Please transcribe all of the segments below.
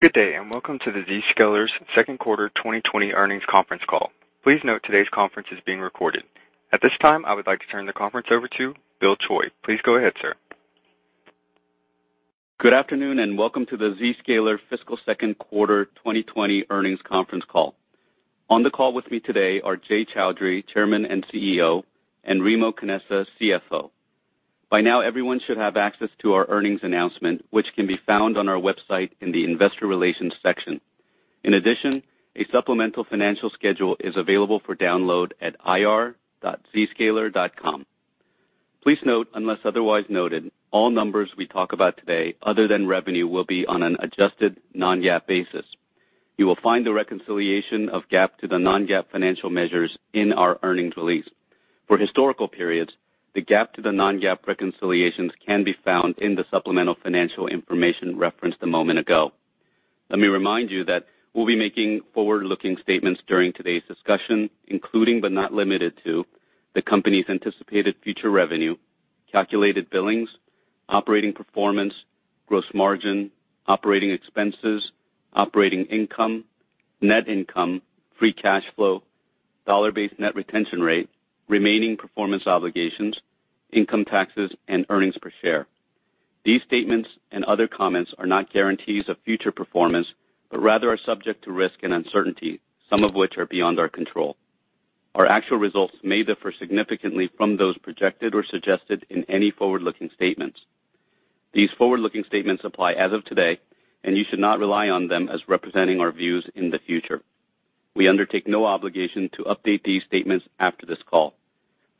Good day. Welcome to the Zscaler's Q2 2020 earnings conference call. Please note today's conference is being recorded. At this time, I would like to turn the conference over to Bill Choi. Please go ahead, sir. Good afternoon, welcome to the Zscaler fiscal Q2 2020 earnings conference call. On the call with me today are Jay Chaudhry, Chairman and CEO, and Remo Canessa, CFO. By now, everyone should have access to our earnings announcement, which can be found on our website in the investor relations section. In addition, a supplemental financial schedule is available for download at ir.zscaler.com. Please note, unless otherwise noted, all numbers we talk about today other than revenue will be on an adjusted non-GAAP basis. You will find the reconciliation of GAAP to the non-GAAP financial measures in our earnings release. For historical periods, the GAAP to the non-GAAP reconciliations can be found in the supplemental financial information referenced a moment ago. Let me remind you that we'll be making forward-looking statements during today's discussion, including, but not limited to, the company's anticipated future revenue, calculated billings, operating performance, gross margin, operating expenses, operating income, net income, free cash flow, dollar-based net retention rate, remaining performance obligations, income taxes, and earnings per share. These statements and other comments are not guarantees of future performance, but rather are subject to risk and uncertainty, some of which are beyond our control. Our actual results may differ significantly from those projected or suggested in any forward-looking statements. These forward-looking statements apply as of today, and you should not rely on them as representing our views in the future. We undertake no obligation to update these statements after this call.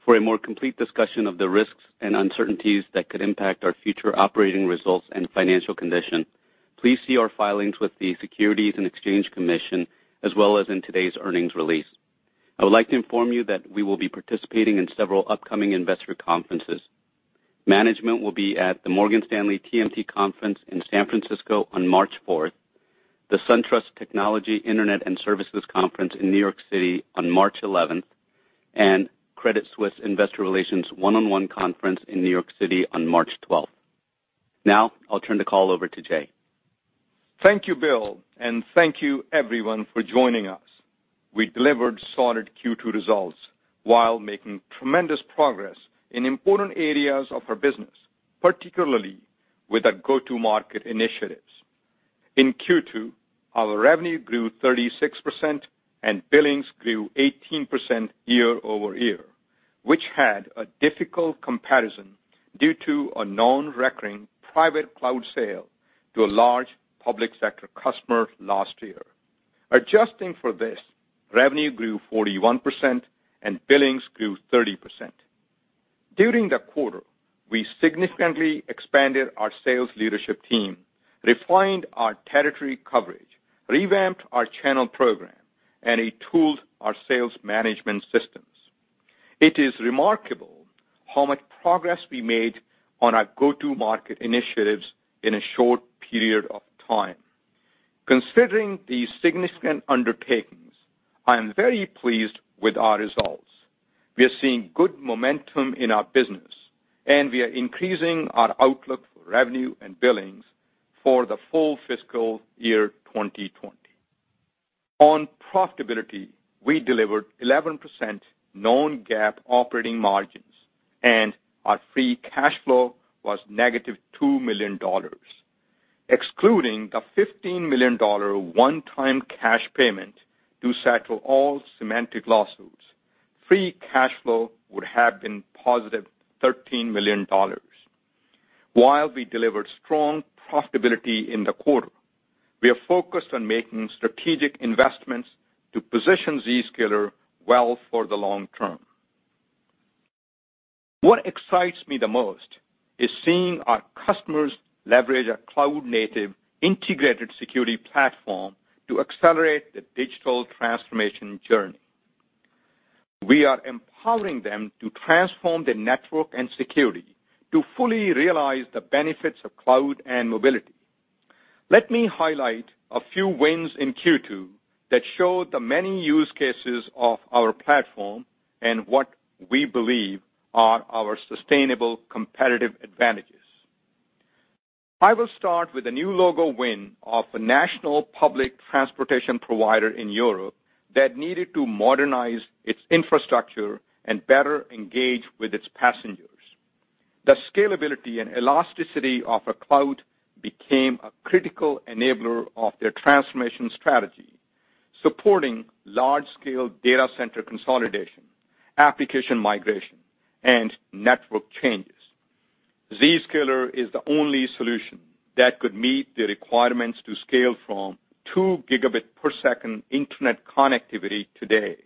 For a more complete discussion of the risks and uncertainties that could impact our future operating results and financial condition, please see our filings with the Securities and Exchange Commission, as well as in today's earnings release. I would like to inform you that we will be participating in several upcoming investor conferences. Management will be at the Morgan Stanley TMT Conference in San Francisco on March fourth, the SunTrust Technology, Internet and Services Conference in New York City on March 11th, and Credit Suisse Investor Relations One-on-One Conference in New York City on March 12th. Now, I'll turn the call over to Jay. Thank you, Bill, and thank you, everyone, for joining us. We delivered solid Q2 results while making tremendous progress in important areas of our business, particularly with our go-to-market initiatives. In Q2, our revenue grew 36% and billings grew 18% year-over-year, which had a difficult comparison due to a non-recurring private cloud sale to a large public sector customer last year. Adjusting for this, revenue grew 41% and billings grew 30%. During the quarter, we significantly expanded our sales leadership team, refined our territory coverage, revamped our channel program, and retooled our sales management systems. It is remarkable how much progress we made on our go-to-market initiatives in a short period of time. Considering these significant undertakings, I am very pleased with our results. We are seeing good momentum in our business, and we are increasing our outlook for revenue and billings for the full fiscal year 2020. On profitability, we delivered 11% non-GAAP operating margins, and our free cash flow was negative $2 million. Excluding the $15 million one-time cash payment to settle all Symantec lawsuits, free cash flow would have been positive $13 million. While we delivered strong profitability in the quarter, we are focused on making strategic investments to position Zscaler well for the long term. What excites me the most is seeing our customers leverage a cloud-native integrated security platform to accelerate the digital transformation journey. We are empowering them to transform their network and security to fully realize the benefits of cloud and mobility. Let me highlight a few wins in Q2 that show the many use cases of our platform and what we believe are our sustainable competitive advantages. I will start with a new logo win of a national public transportation provider in Europe that needed to modernize its infrastructure and better engage with its passengers. The scalability and elasticity of a cloud became a critical enabler of their transformation strategy, supporting large-scale data center consolidation, application migration, and network changes. Zscaler is the only solution that could meet the requirements to scale from 2 Gb per second internet connectivity today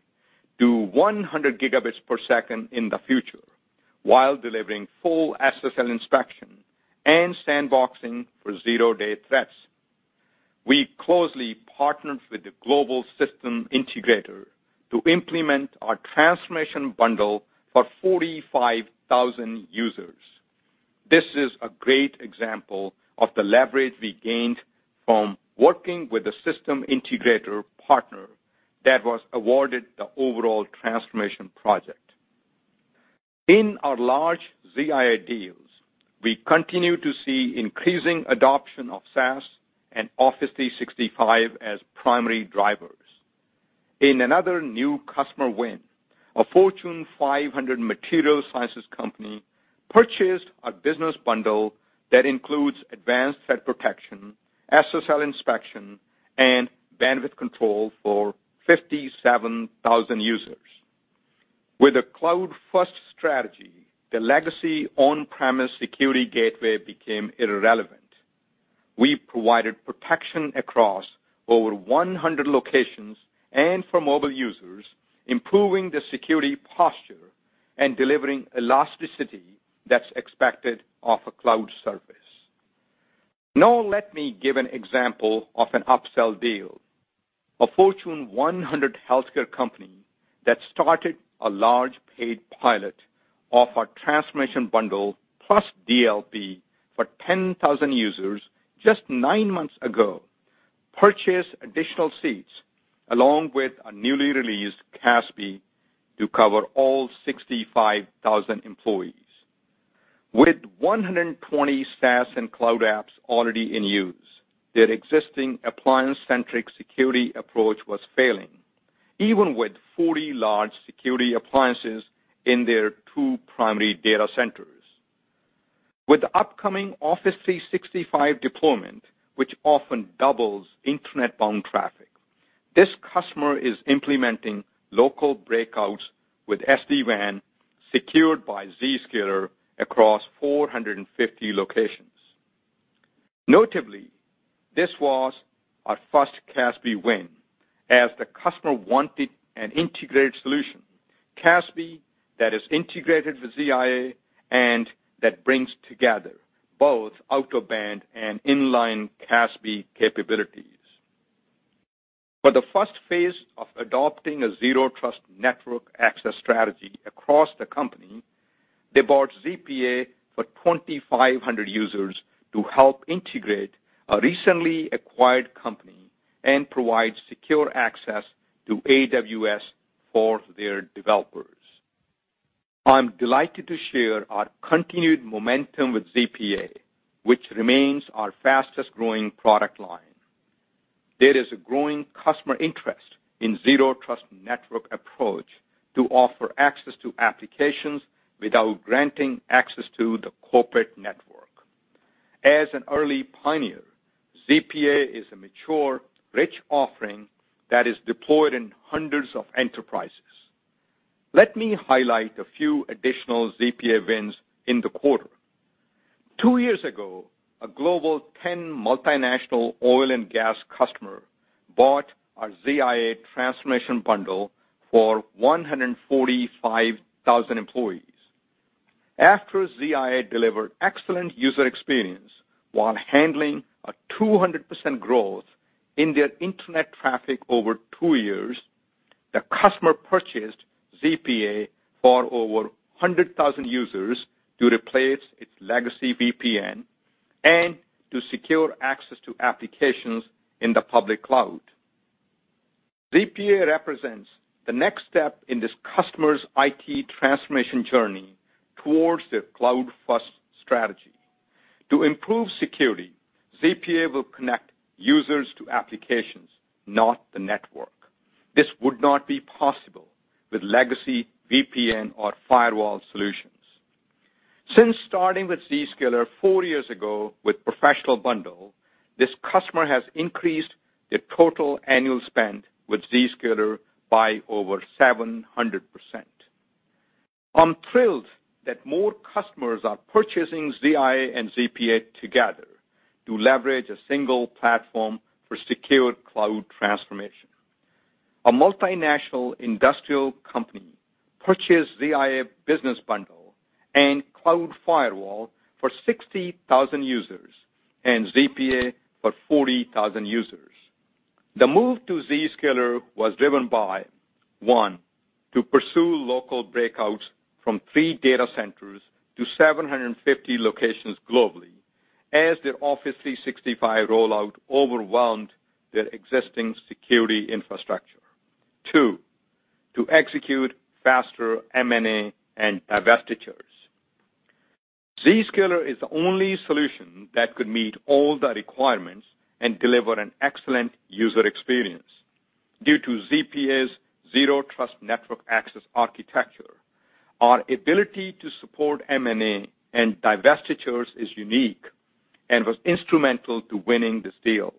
to 100 Gb per second in the future, while delivering full SSL inspection and sandboxing for zero-day threats. We closely partnered with the global system integrator to implement our transformation bundle for 45,000 users. This is a great example of the leverage we gained from working with a system integrator partner that was awarded the overall transformation project. In our large ZIA deals, we continue to see increasing adoption of SaaS and Office 365 as primary drivers. In another new customer win, a Fortune 500 material sciences company purchased a business bundle that includes advanced threat protection, SSL inspection, and bandwidth control for 57,000 users. With a cloud-first strategy, the legacy on-premise security gateway became irrelevant. We provided protection across over 100 locations and for mobile users, improving the security posture and delivering elasticity that's expected of a cloud service. Let me give an example of an upsell deal. A Fortune 100 healthcare company that started a large paid pilot of our transformation bundle, plus DLP for 10,000 users just nine months ago, purchased additional seats, along with a newly released CASB to cover all 65,000 employees. With 120 SaaS and cloud apps already in use, their existing appliance-centric security approach was failing, even with 40 large security appliances in their two primary data centers. With the upcoming Office 365 deployment, which often doubles internet-bound traffic, this customer is implementing local breakouts with SD-WAN secured by Zscaler across 450 locations. Notably, this was our first CASB win, as the customer wanted an integrated solution. CASB that is integrated with ZIA and that brings together both out-of-band and inline CASB capabilities. For the first phase of adopting a zero-trust network access strategy across the company, they bought ZPA for 2,500 users to help integrate a recently acquired company and provide secure access to AWS for their developers. I'm delighted to share our continued momentum with ZPA, which remains our fastest-growing product line. There is a growing customer interest in zero trust network approach to offer access to applications without granting access to the corporate network. As an early pioneer, ZPA is a mature, rich offering that is deployed in hundreds of enterprises. Let me highlight a few additional ZPA wins in the quarter. Two years ago, a Global 10 multinational oil and gas customer bought our ZIA transformation bundle for 145,000 employees. After ZIA delivered excellent user experience while handling a 200% growth in their internet traffic over two years, the customer purchased ZPA for over 100,000 users to replace its legacy VPN and to secure access to applications in the public cloud. ZPA represents the next step in this customer's IT transformation journey towards their cloud-first strategy. To improve security, ZPA will connect users to applications, not the network. This would not be possible with legacy VPN or firewall solutions. Since starting with Zscaler four years ago with professional bundle, this customer has increased their total annual spend with Zscaler by over 700%. I'm thrilled that more customers are purchasing ZIA and ZPA together to leverage a single platform for secure cloud transformation. A multinational industrial company purchased ZIA business bundle and cloud firewall for 60,000 users and ZPA for 40,000 users. The move to Zscaler was driven by, one, to pursue local breakouts from three data centers to 750 locations globally as their Office 365 rollout overwhelmed their existing security infrastructure. Two, to execute faster M&A and divestitures. Zscaler is the only solution that could meet all the requirements and deliver an excellent user experience. Due to ZPA's Zero Trust Network Access architecture, our ability to support M&A and divestitures is unique and was instrumental to winning this deal.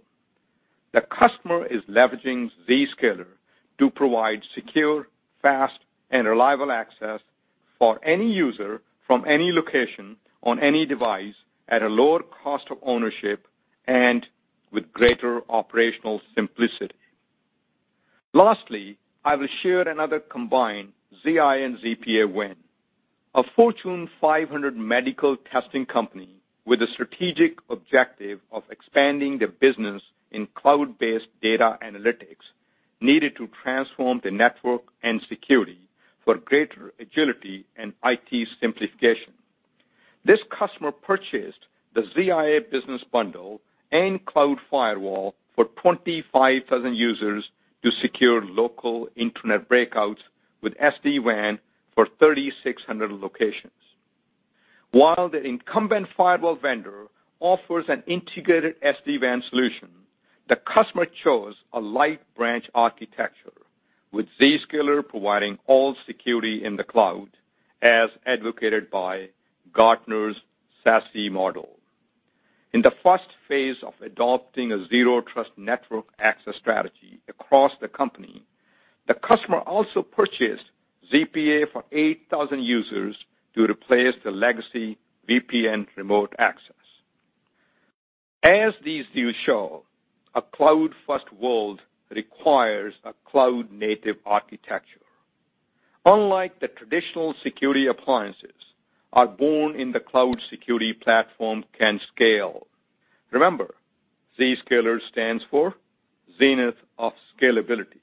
The customer is leveraging Zscaler to provide secure, fast and reliable access for any user from any location on any device at a lower cost of ownership and with greater operational simplicity. Lastly, I will share another combined ZIA and ZPA win. A Fortune 500 medical testing company with a strategic objective of expanding their business in cloud-based data analytics needed to transform their network and security for greater agility and IT simplification. This customer purchased the ZIA business bundle and Cloud Firewall for 25,000 users to secure local internet breakouts with SD-WAN for 3,600 locations. While the incumbent firewall vendor offers an integrated SD-WAN solution, the customer chose a light branch architecture with Zscaler providing all security in the cloud as advocated by Gartner's SASE model. In the first phase of adopting a Zero Trust Network Access strategy across the company, the customer also purchased ZPA for 8,000 users to replace the legacy VPN remote access. As these deals show, a cloud-first world requires a cloud-native architecture. Unlike the traditional security appliances, our born in the cloud security platform can scale. Remember, Zscaler stands for Zenith of Scalability.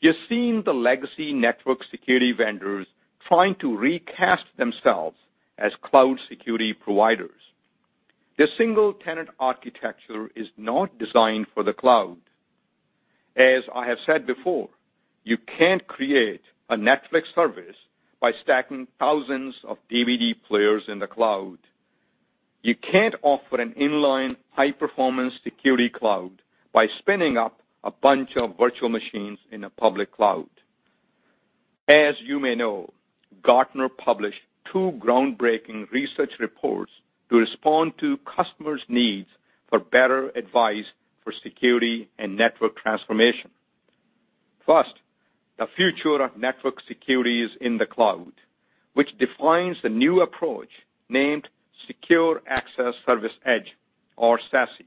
You're seeing the legacy network security vendors trying to recast themselves as cloud security providers. Their single-tenant architecture is not designed for the cloud. As I have said before, you can't create a Netflix service by stacking thousands of DVD players in the cloud. You can't offer an inline high-performance security cloud by spinning up a bunch of virtual machines in a public cloud. As you may know, Gartner published two groundbreaking research reports to respond to customers' needs for better advice for security and network transformation. First, the future of network security is in the cloud, which defines the new approach named Secure Access Service Edge, or SASE,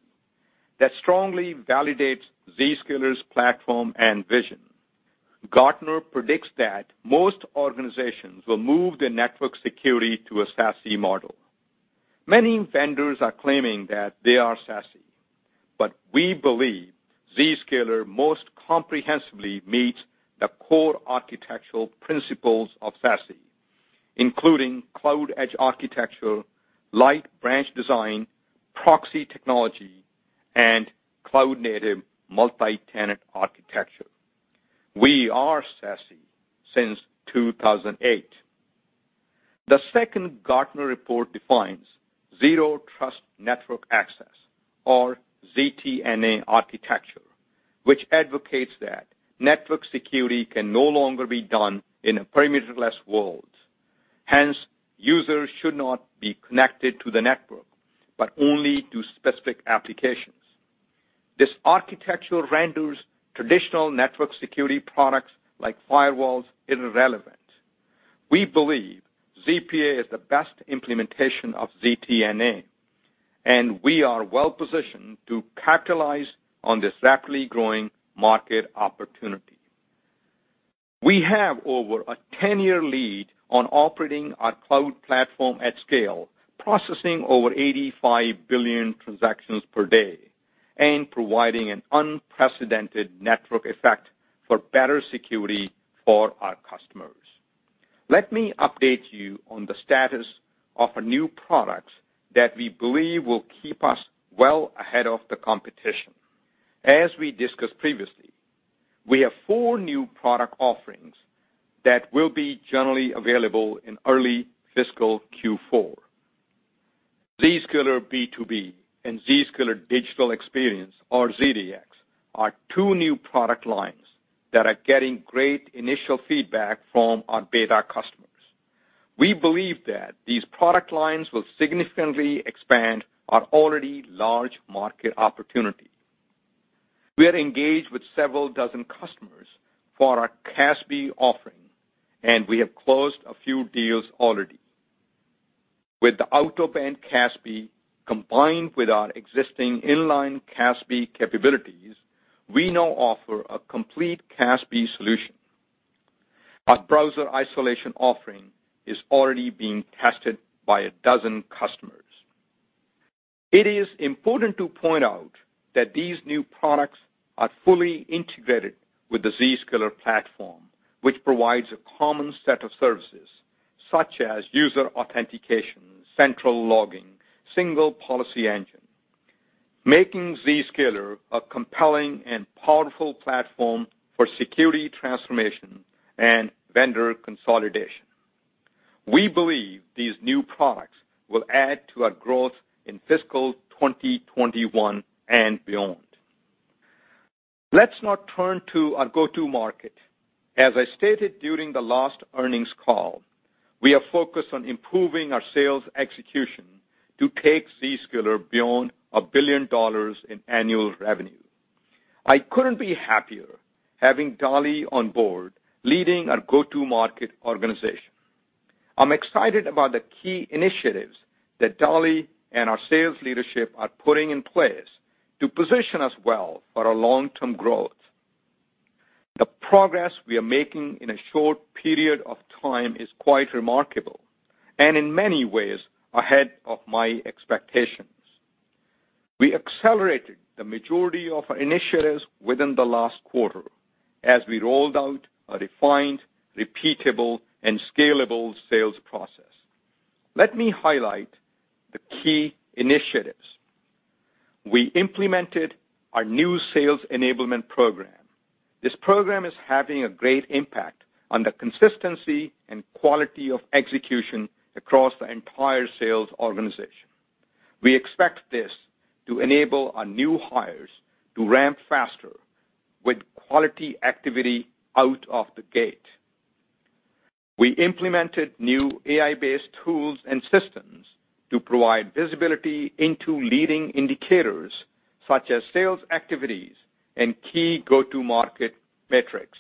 that strongly validates Zscaler's platform and vision. Gartner predicts that most organizations will move their network security to a SASE model. Many vendors are claiming that they are SASE, but we believe Zscaler most comprehensively meets the core architectural principles of SASE, including cloud edge architecture, light branch design, proxy technology, and cloud-native multi-tenant architecture. We are SASE since 2008. The second Gartner report defines Zero Trust Network Access, or ZTNA, architecture, which advocates that network security can no longer be done in a perimeter-less world. Hence, users should not be connected to the network, but only to specific applications. This architecture renders traditional network security products like firewalls irrelevant. We believe ZPA is the best implementation of ZTNA, and we are well-positioned to capitalize on this rapidly growing market opportunity. We have over a 10-year lead on operating our cloud platform at scale, processing over 85 billion transactions per day, and providing an unprecedented network effect for better security for our customers. Let me update you on the status of our new products that we believe will keep us well ahead of the competition. As we discussed previously, we have four new product offerings that will be generally available in early fiscal Q4. Zscaler B2B and Zscaler Digital Experience, or ZDX, are two new product lines that are getting great initial feedback from our beta customers. We believe that these product lines will significantly expand our already large market opportunity. We are engaged with several dozen customers for our CASB offering, and we have closed a few deals already. With the out-of-band CASB combined with our existing inline CASB capabilities, we now offer a complete CASB solution. Our browser isolation offering is already being tested by a dozen customers. It is important to point out that these new products are fully integrated with the Zscaler platform, which provides a common set of services such as user authentication, central logging, single policy engine, making Zscaler a compelling and powerful platform for security transformation and vendor consolidation. We believe these new products will add to our growth in fiscal 2021 and beyond. Let's now turn to our go-to market. As I stated during the last earnings call, we are focused on improving our sales execution to take Zscaler beyond $1 billion in annual revenue. I couldn't be happier having Dali on board leading our go-to market organization. I'm excited about the key initiatives that Dali and our sales leadership are putting in place to position us well for our long-term growth. The progress we are making in a short period of time is quite remarkable, and in many ways, ahead of my expectations. We accelerated the majority of our initiatives within the last quarter as we rolled out a refined, repeatable, and scalable sales process. Let me highlight the key initiatives. We implemented our new sales enablement program. This program is having a great impact on the consistency and quality of execution across the entire sales organization. We expect this to enable our new hires to ramp faster with quality activity out of the gate. We implemented new AI-based tools and systems to provide visibility into leading indicators such as sales activities and key go-to-market metrics.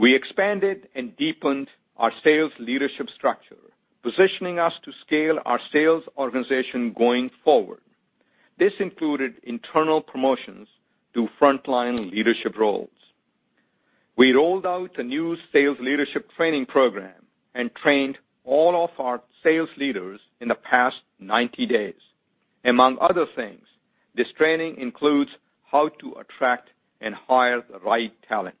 We expanded and deepened our sales leadership structure, positioning us to scale our sales organization going forward. This included internal promotions to frontline leadership roles. We rolled out a new sales leadership training program and trained all of our sales leaders in the past 90 days. Among other things, this training includes how to attract and hire the right talent.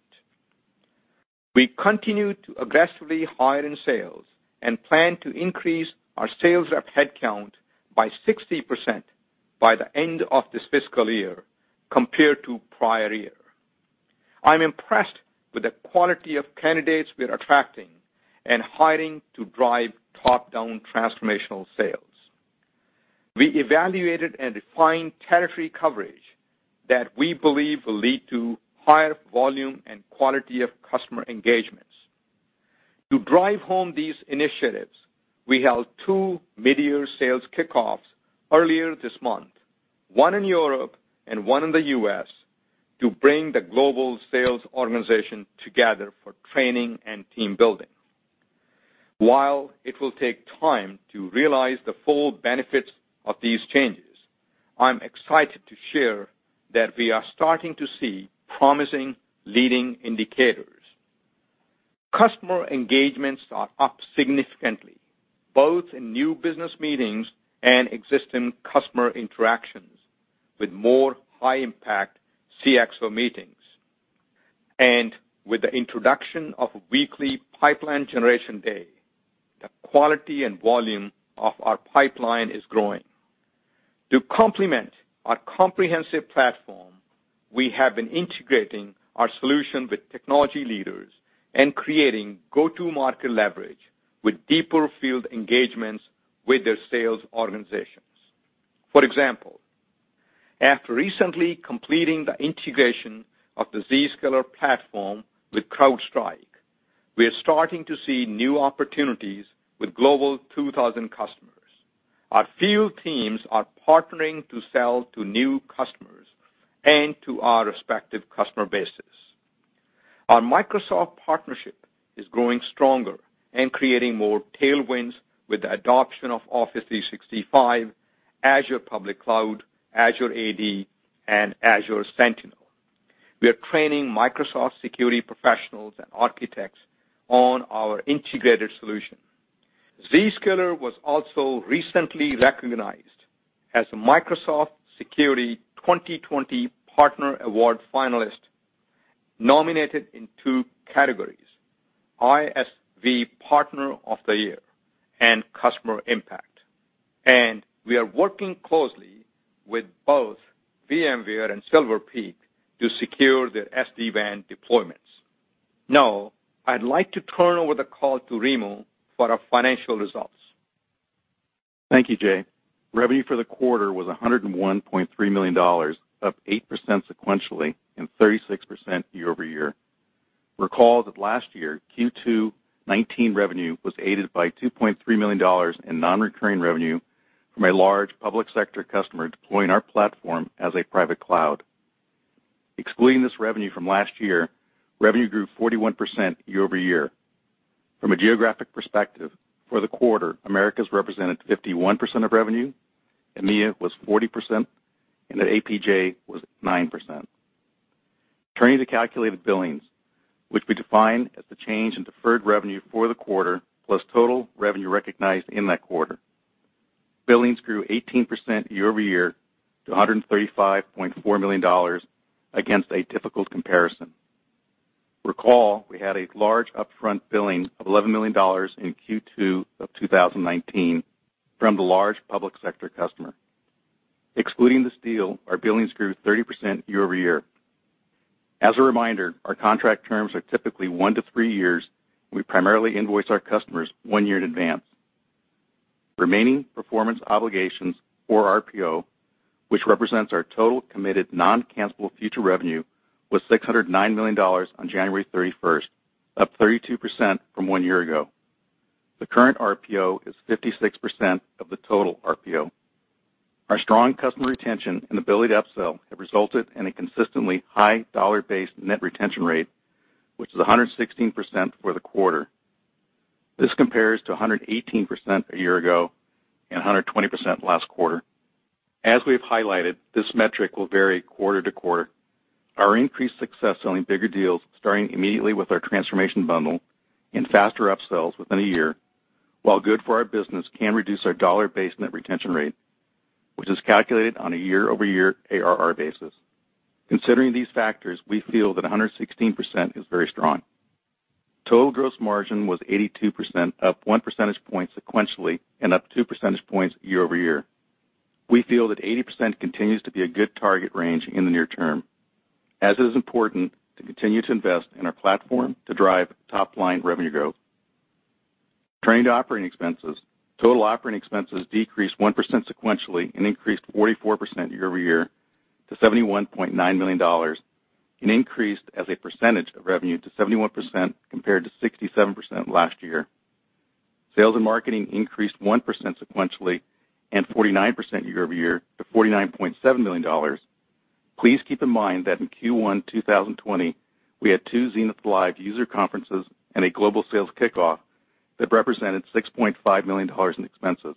We continue to aggressively hire in sales and plan to increase our sales rep headcount by 60% by the end of this fiscal year compared to prior year. I'm impressed with the quality of candidates we are attracting and hiring to drive top-down transformational sales. We evaluated and refined territory coverage that we believe will lead to higher volume and quality of customer engagements. To drive home these initiatives, we held two midyear Sales Kick-Offs earlier this month, one in Europe and one in the U.S., to bring the global sales organization together for training and team building. While it will take time to realize the full benefits of these changes, I'm excited to share that we are starting to see promising leading indicators. Customer engagements are up significantly, both in new business meetings and existing customer interactions with more high-impact CXO meetings. With the introduction of a weekly pipeline generation day, the quality and volume of our pipeline is growing. To complement our comprehensive platform, we have been integrating our solution with technology leaders and creating go-to-market leverage with deeper field engagements with their sales organizations. For example, after recently completing the integration of the Zscaler platform with CrowdStrike, we are starting to see new opportunities with Global 2000 customers. Our field teams are partnering to sell to new customers and to our respective customer bases. Our Microsoft partnership is growing stronger and creating more tailwinds with the adoption of Office 365, Azure Public Cloud, Azure AD, and Azure Sentinel. We are training Microsoft security professionals and architects on our integrated solution. Zscaler was also recently recognized as a Microsoft Security 2020 Partner Award finalist, nominated in two categories: ISV Partner of the Year and Customer Impact. We are working closely with both VMware and Silver Peak to secure their SD-WAN deployments. Now, I'd like to turn over the call to Remo for our financial results. Thank you, Jay. Revenue for the quarter was $101.3 million, up 8% sequentially and 36% year-over-year. Recall that last year, Q2 2019 revenue was aided by $2.3 million in non-recurring revenue from a large public sector customer deploying our platform as a private cloud. Excluding this revenue from last year, revenue grew 41% year-over-year. From a geographic perspective, for the quarter, Americas represented 51% of revenue, EMEA was 40%, and the APJ was 9%. Turning to calculated billings, which we define as the change in deferred revenue for the quarter, plus total revenue recognized in that quarter. Billings grew 18% year-over-year to $135.4 million against a difficult comparison. Recall we had a large upfront billing of $11 million in Q2 of 2019 from the large public sector customer. Excluding this deal, our billings grew 30% year-over-year. As a reminder, our contract terms are typically one to three years. We primarily invoice our customers one year in advance. Remaining performance obligations, or RPO, which represents our total committed non-cancelable future revenue, was $609 million on January 31st, up 32% from one year ago. The current RPO is 56% of the total RPO. Our strong customer retention and ability to upsell have resulted in a consistently high dollar-based net retention rate, which is 116% for the quarter. This compares to 118% a year ago and 120% last quarter. As we've highlighted, this metric will vary quarter to quarter. Our increased success selling bigger deals, starting immediately with our transformation bundle and faster upsells within a year, while good for our business, can reduce our dollar-based net retention rate, which is calculated on a year-over-year ARR basis. Considering these factors, we feel that 116% is very strong. Total gross margin was 82%, up one percentage point sequentially and up two percentage points year-over-year. We feel that 80% continues to be a good target range in the near term, as it is important to continue to invest in our platform to drive top-line revenue growth. Turning to operating expenses, total operating expenses decreased 1% sequentially and increased 44% year-over-year to $71.9 million and increased as a percentage of revenue to 71% compared to 67% last year. Sales and marketing increased 1% sequentially and 49% year-over-year to $49.7 million. Please keep in mind that in Q1 2020, we had two Zenith Live user conferences and a global sales kick-off that represented $6.5 million in expenses.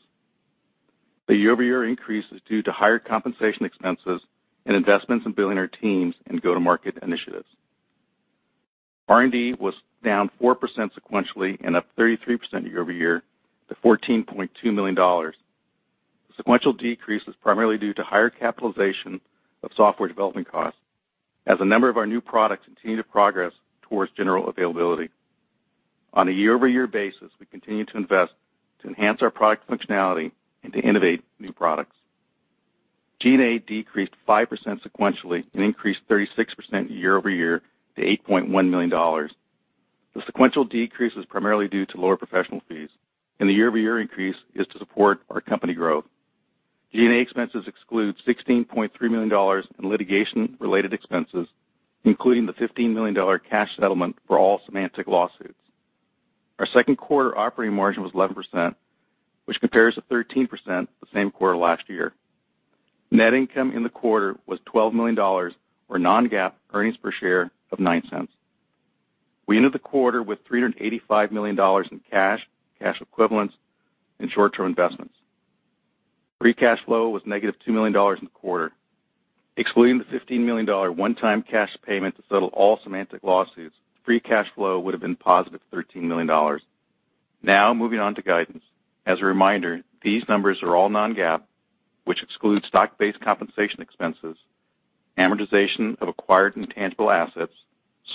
The year-over-year increase is due to higher compensation expenses and investments in building our teams and go-to-market initiatives. R&D was down 4% sequentially and up 33% year-over-year to $14.2 million. The sequential decrease was primarily due to higher capitalization of software development costs as a number of our new products continue to progress towards general availability. On a year-over-year basis, we continue to invest to enhance our product functionality and to innovate new products. G&A decreased 5% sequentially and increased 36% year-over-year to $8.1 million. The sequential decrease was primarily due to lower professional fees, and the year-over-year increase is to support our company growth. G&A expenses exclude $16.3 million in litigation-related expenses, including the $15 million cash settlement for all Symantec lawsuits. Our Q2 operating margin was 11%, which compares to 13% the same quarter last year. Net income in the quarter was $12 million, or non-GAAP earnings per share of $0.09. We ended the quarter with $385 million in cash equivalents, and short-term investments. Free cash flow was negative $2 million in the quarter. Excluding the $15 million one-time cash payment to settle all Symantec lawsuits, free cash flow would have been positive $13 million. Moving on to guidance. As a reminder, these numbers are all non-GAAP, which excludes stock-based compensation expenses, amortization of acquired intangible assets,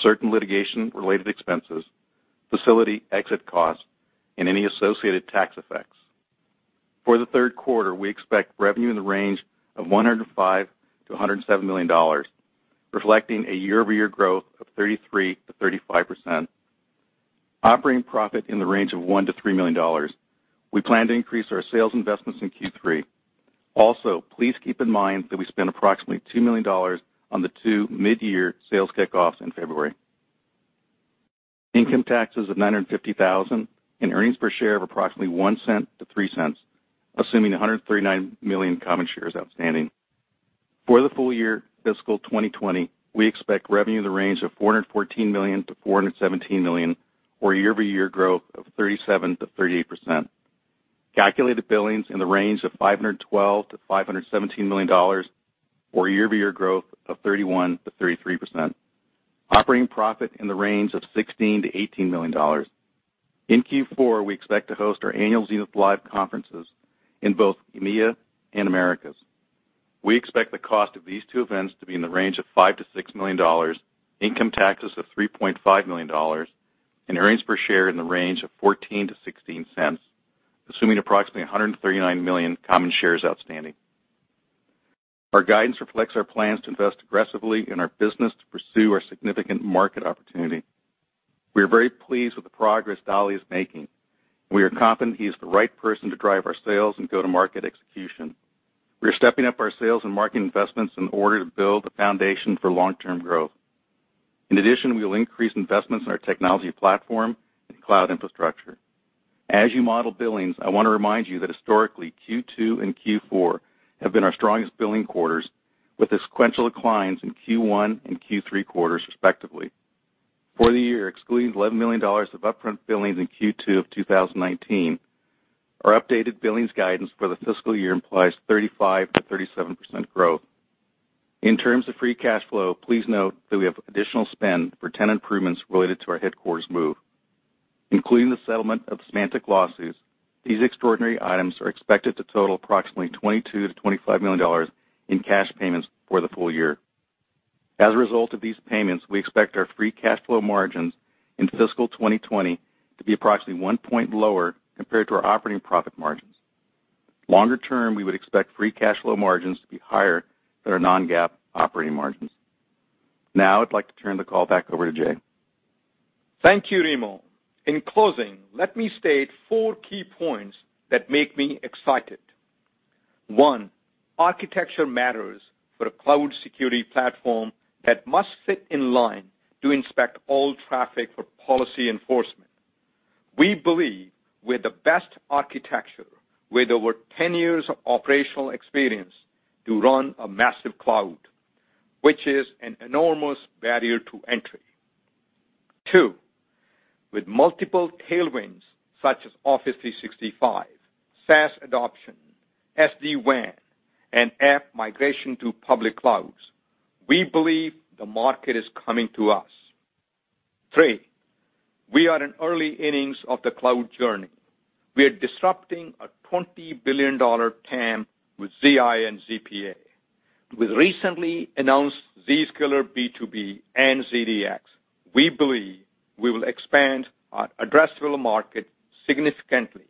certain litigation-related expenses, facility exit costs, and any associated tax effects. For the Q3, we expect revenue in the range of $105 million-$107 million, reflecting a year-over-year growth of 33%-35%. Operating profit in the range of $1 million-$3 million. We plan to increase our sales investments in Q3. Also, please keep in mind that we spent approximately $2 million on the two mid-year sales kickoffs in February. Income taxes of $950,000 and earnings per share of approximately $0.01-$0.03, assuming 139 million common shares outstanding. For the full year fiscal 2020, we expect revenue in the range of $414 million-$417 million, or year-over-year growth of 37%-38%. Calculated billings in the range of $512 million-$517 million, or year-over-year growth of 31%-33%. Operating profit in the range of $16 million-$18 million. In Q4, we expect to host our annual Zenith Live conferences in both EMEA and Americas. We expect the cost of these two events to be in the range of $5 million-$6 million, income taxes of $3.5 million, and earnings per share in the range of $0.14-$0.16, assuming approximately 139 million common shares outstanding. Our guidance reflects our plans to invest aggressively in our business to pursue our significant market opportunity. We are very pleased with the progress Dali is making. We are confident he is the right person to drive our sales and go-to-market execution. We are stepping up our sales and marketing investments in order to build the foundation for long-term growth. We will increase investments in our technology platform and cloud infrastructure. As you model billings, I want to remind you that historically, Q2 and Q4 have been our strongest billing quarters, with sequential declines in Q1 and Q3 quarters, respectively. For the year, excluding $11 million of upfront billings in Q2 of 2019, our updated billings guidance for the fiscal year implies 35%-37% growth. In terms of free cash flow, please note that we have additional spend for tenant improvements related to our headquarters move. Including the settlement of Symantec lawsuits, these extraordinary items are expected to total approximately $22 million-$25 million in cash payments for the full year. As a result of these payments, we expect our free cash flow margins in fiscal 2020 to be approximately one point lower compared to our operating profit margins. Longer term, we would expect free cash flow margins to be higher than our non-GAAP operating margins. Now I'd like to turn the call back over to Jay. Thank you, Remo. In closing, let me state four key points that make me excited. One, architecture matters for a cloud security platform that must sit in line to inspect all traffic for policy enforcement. We believe we're the best architecture with over 10 years of operational experience to run a massive cloud, which is an enormous barrier to entry. Two, with multiple tailwinds such as Office 365, SaaS adoption, SD-WAN, and app migration to public clouds, we believe the market is coming to us. Three, we are in early innings of the cloud journey. We are disrupting a $20 billion TAM with ZIA and ZPA. With recently announced Zscaler B2B and ZDX, we believe we will expand our addressable market significantly.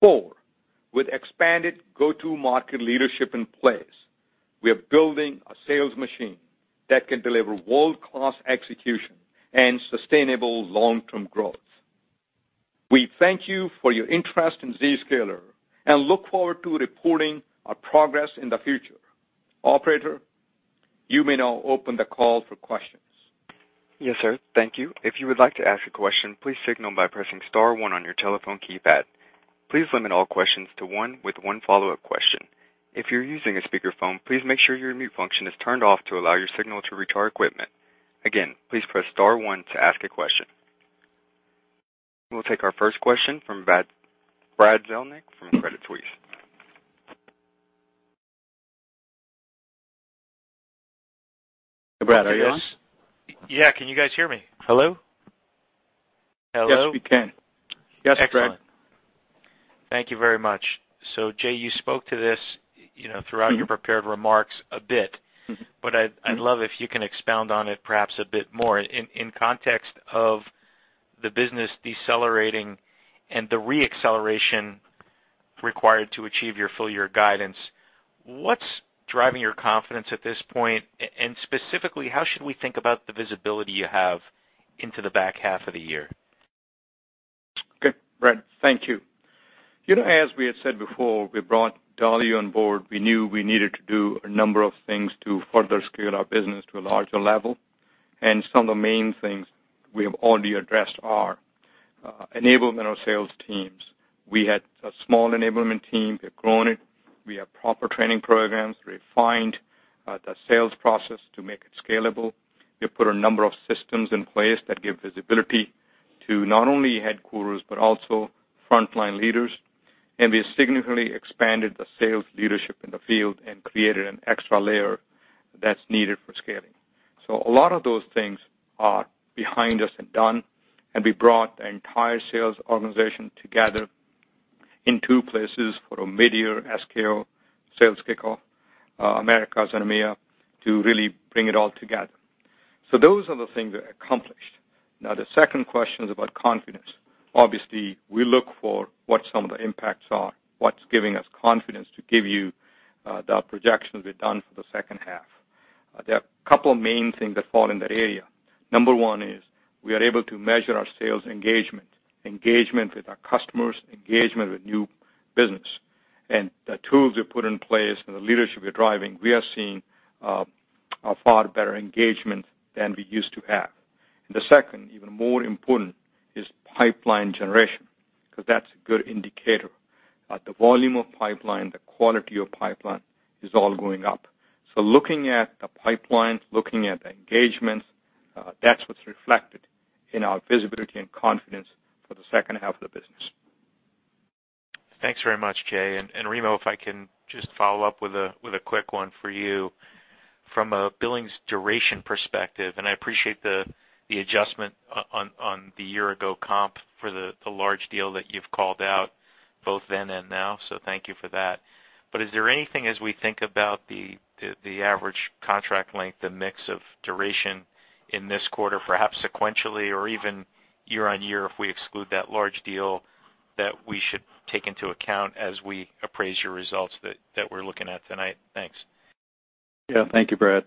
Four, with expanded go-to market leadership in place, we are building a sales machine that can deliver world-class execution and sustainable long-term growth. We thank you for your interest in Zscaler and look forward to reporting our progress in the future. Operator, you may now open the call for questions. Yes, sir. Thank you. If you would like to ask a question, please signal by pressing star one on your telephone keypad. Please limit all questions to one with one follow-up question. If you're using a speakerphone, please make sure your mute function is turned off to allow your signal to reach our equipment. Again, please press star one to ask a question. We'll take our first question from Brad Zelnick from Credit Suisse. Hey, Brad, are you on? Yeah. Can you guys hear me? Hello? Hello? Yes, we can. Excellent. Yes, Brad. Thank you very much. Jay, you spoke to this throughout your prepared remarks a bit, but I'd love if you can expound on it perhaps a bit more. In context of the business decelerating and the re-acceleration required to achieve your full year guidance, what's driving your confidence at this point? Specifically, how should we think about the visibility you have into the back half of the year? Brad, thank you. As we had said before, we brought Dali on board, we knew we needed to do a number of things to further scale our business to a larger level, some of the main things we have already addressed are, enablement of sales teams. We had a small enablement team. We've grown it. We have proper training programs. Refined the sales process to make it scalable. We put a number of systems in place that give visibility to not only headquarters but also frontline leaders. We significantly expanded the sales leadership in the field and created an extra layer that's needed for scaling. A lot of those things are behind us and done, we brought the entire sales organization together in two places for a mid-year scale Sales Kick-Off, Americas and EMEA, to really bring it all together. Those are the things we accomplished. Now, the second question is about confidence. Obviously, we look for what some of the impacts are, what's giving us confidence to give you the projections we've done for the H2. There are a couple of main things that fall in that area. Number one is we are able to measure our sales engagement with our customers, engagement with new business, and the tools we put in place and the leadership we're driving, we are seeing a far better engagement than we used to have. The second, even more important, is pipeline generation, because that's a good indicator. The volume of pipeline, the quality of pipeline, is all going up. Looking at the pipeline, looking at the engagement, that's what's reflected in our visibility and confidence for the H2 of the business. Thanks very much, Jay. Remo, if I can just follow up with a quick one for you. From a billings duration perspective, and I appreciate the adjustment on the year ago comp for the large deal that you've called out both then and now, so thank you for that. Is there anything as we think about the average contract length, the mix of duration in this quarter, perhaps sequentially or even year-on-year, if we exclude that large deal, that we should take into account as we appraise your results that we're looking at tonight? Thanks. Yeah. Thank you, Brad.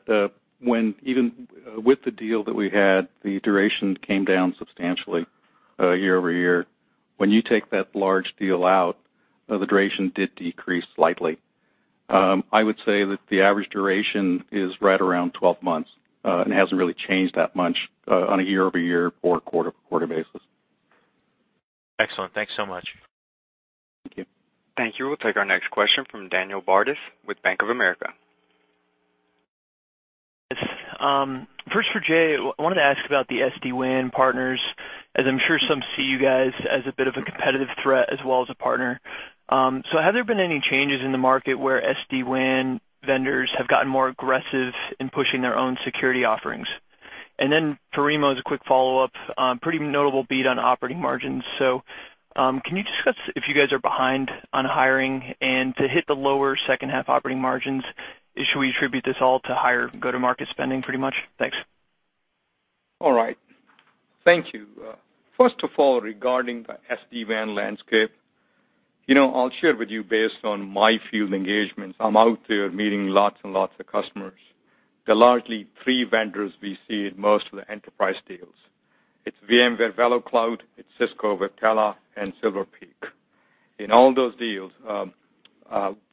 Even with the deal that we had, the duration came down substantially year-over-year. When you take that large deal out, the duration did decrease slightly. I would say that the average duration is right around 12 months, and hasn't really changed that much on a year-over-year or quarter basis. Excellent. Thanks so much. Thank you. Thank you. We'll take our next question from Daniel Bartus with Bank of America. Yes. First for Jay, I wanted to ask about the SD-WAN partners, as I'm sure some see you guys as a bit of a competitive threat as well as a partner. Have there been any changes in the market where SD-WAN vendors have gotten more aggressive in pushing their own security offerings? For Remo, as a quick follow-up, pretty notable beat on operating margins. Can you discuss if you guys are behind on hiring and to hit the lower H2 operating margins, should we attribute this all to higher go-to-market spending pretty much? Thanks. All right. Thank you. First of all, regarding the SD-WAN landscape, I'll share with you based on my field engagements. I'm out there meeting lots and lots of customers. There are largely three vendors we see in most of the enterprise deals. It's VMware VeloCloud, it's Cisco with Viptela, and Silver Peak. In all those deals,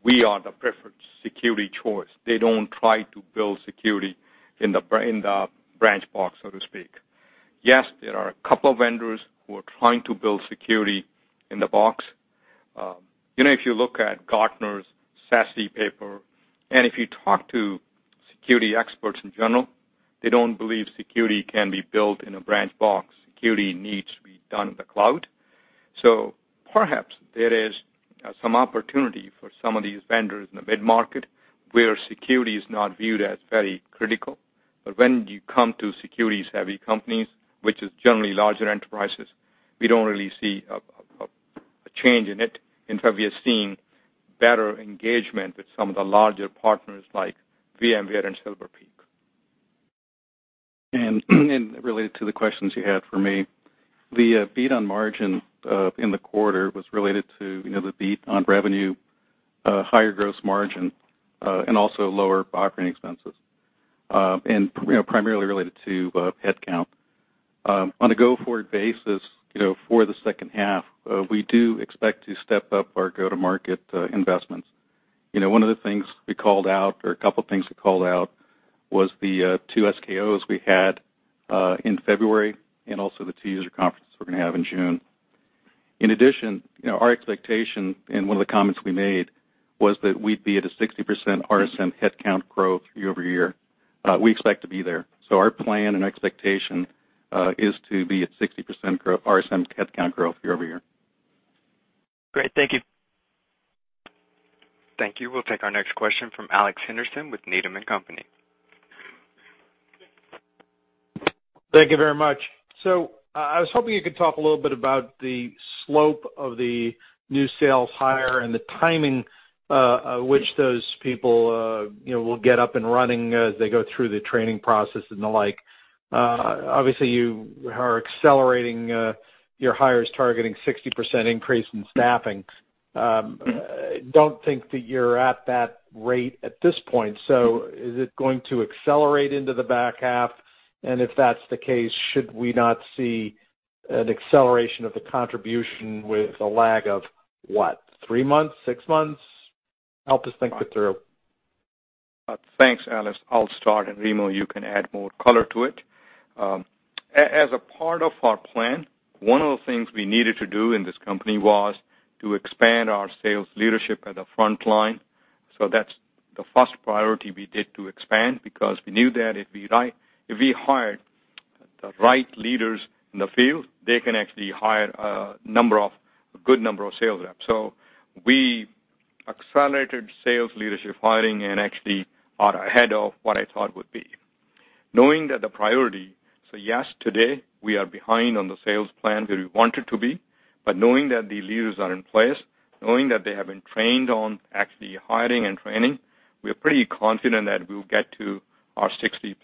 we are the preferred security choice. They don't try to build security in the branch box, so to speak. Yes, there are a couple of vendors who are trying to build security in the box. If you look at Gartner's SASE paper, and if you talk to security experts in general, they don't believe security can be built in a branch box. Security needs to be done in the cloud. Perhaps there is some opportunity for some of these vendors in the mid-market where security is not viewed as very critical. When you come to security-heavy companies, which is generally larger enterprises, we don't really see a change in it. In fact, we are seeing better engagement with some of the larger partners like VMware and Silver Peak. Related to the questions you had for me, the beat on margin in the quarter was related to the beat on revenue, higher gross margin, and also lower operating expenses. Primarily related to headcount. On a go-forward basis, for the H2, we do expect to step up our go-to-market investments. One of the things we called out, or a couple things we called out, was the two SKOs we had in February, and also the two user conferences we're going to have in June. In addition, our expectation, and one of the comments we made, was that we'd be at a 60% RSM headcount growth year-over-year. We expect to be there. Our plan and expectation is to be at 60% growth, RSM headcount growth year-over-year. Great. Thank you. Thank you. We'll take our next question from Alex Henderson with Needham & Company. Thank you very much. I was hoping you could talk a little bit about the slope of the new sales hire and the timing, which those people will get up and running as they go through the training process and the like. Obviously, you are accelerating your hires targeting 60% increase in staffing. Don't think that you're at that rate at this point. Is it going to accelerate into the back half? If that's the case, should we not see an acceleration of the contribution with a lag of what, three months, six months? Help us think through. Thanks, Alex. I'll start, and Remo, you can add more color to it. As a part of our plan, one of the things we needed to do in this company was to expand our sales leadership at the front line. That's the first priority we did to expand, because we knew that if we hired the right leaders in the field, they can actually hire a good number of sales reps. We accelerated sales leadership hiring and actually are ahead of what I thought would be. Knowing that the priority, so yes, today we are behind on the sales plan where we wanted to be, but knowing that the leaders are in place, knowing that they have been trained on actually hiring and training, we are pretty confident that we'll get to our 60%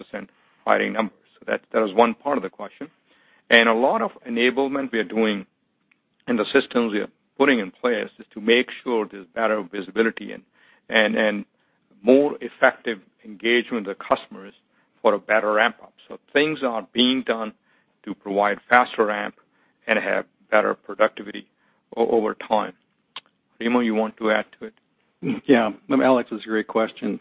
hiring numbers. That is one part of the question. A lot of enablement we are doing in the systems we are putting in place is to make sure there's better visibility and more effective engagement with customers for a better ramp-up. Things are being done to provide faster ramp and have better productivity over time. Remo, you want to add to it? Yeah. Alex, it's a great question.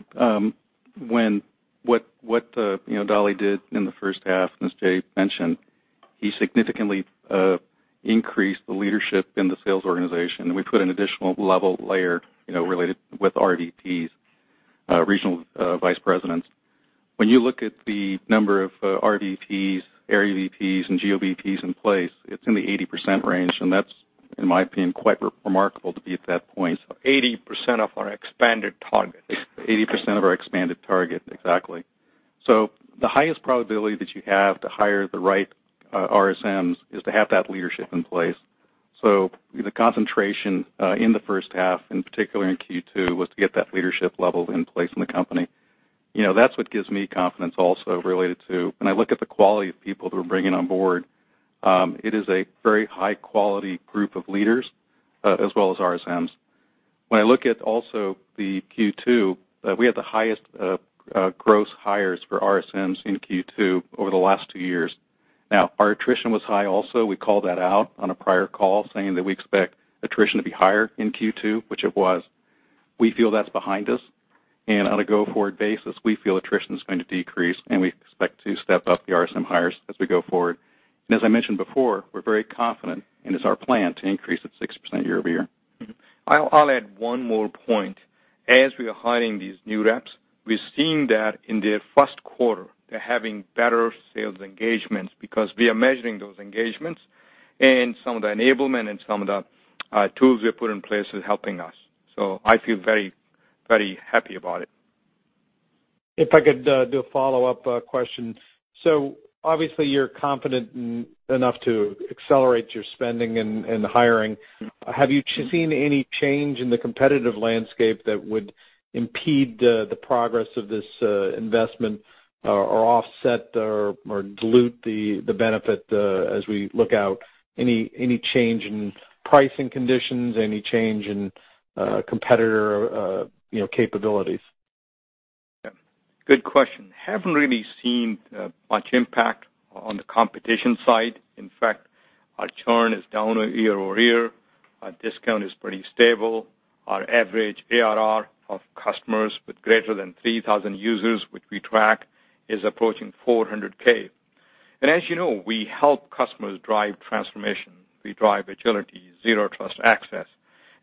What Dali did in the H1, as Jay mentioned, he significantly increased the leadership in the sales organization, we put an additional level layer, related with RVPs, regional vice presidents. When you look at the number of RVPs, area VPs, and GVPs in place, it's in the 80% range, that's, in my opinion, quite remarkable to be at that point. 80% of our expanded target. 80% of our expanded target, exactly. The highest probability that you have to hire the right RSMs is to have that leadership in place. The concentration in the H1, in particular in Q2, was to get that leadership level in place in the company. That's what gives me confidence also related to when I look at the quality of people that we're bringing on board, it is a very high-quality group of leaders, as well as RSMs. When I look at also the Q2, we had the highest gross hires for RSMs in Q2 over the last two years. Our attrition was high also. We called that out on a prior call saying that we expect attrition to be higher in Q2, which it was. We feel that's behind us, and on a go-forward basis, we feel attrition is going to decrease, and we expect to step up the RSM hires as we go forward. As I mentioned before, we're very confident, and it's our plan to increase it 6% year-over-year. I'll add one more point. As we are hiring these new reps, we're seeing that in the Q1, they're having better sales engagements because we are measuring those engagements and some of the enablement and some of the tools we have put in place is helping us. I feel very happy about it. If I could do a follow-up question. Obviously you're confident enough to accelerate your spending and hiring. Have you seen any change in the competitive landscape that would impede the progress of this investment or offset or dilute the benefit as we look out, any change in pricing conditions, any change in competitor capabilities? Yeah. Good question. Haven't really seen much impact on the competition side. In fact, our churn is down year-over-year. Our discount is pretty stable. Our average ARR of customers with greater than 3,000 users, which we track, is approaching $400K. As you know, we help customers drive transformation. We drive agility, Zero Trust access.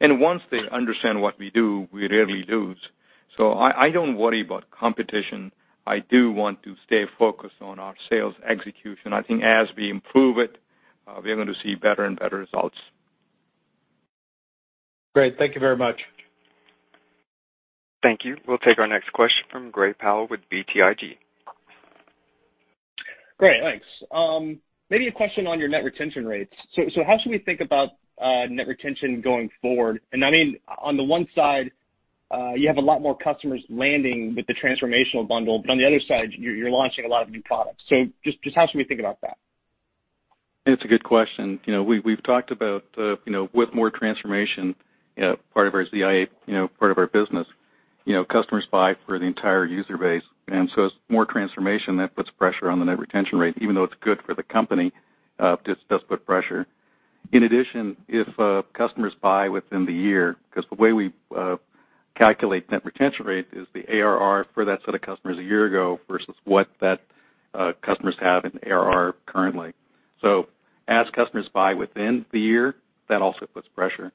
Once they understand what we do, we rarely lose. I don't worry about competition. I do want to stay focused on our sales execution. I think as we improve it, we are going to see better and better results. Great. Thank you very much. Thank you. We'll take our next question from Gray Powell with BTIG. Great, thanks. Maybe a question on your net retention rates. How should we think about net retention going forward? I mean on the one side, you have a lot more customers landing with the transformational bundle, but on the other side, you're launching a lot of new products. Just how should we think about that? It's a good question. We've talked about with more transformation, part of our ZIA, part of our business, customers buy for the entire user base. It's more transformation that puts pressure on the net retention rate, even though it's good for the company, it does put pressure. In addition, if customers buy within the year, because the way we calculate net retention rate is the ARR for that set of customers a year ago versus what that customers have in ARR currently. As customers buy within the year, that also puts pressure.